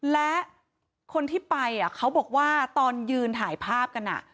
และคนที่ไปเขาบอกว่าตอนยืนถ่ายภาพกัน